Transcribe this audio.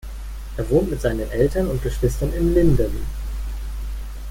Er wohnt mit seinen Eltern und Geschwistern in Linden.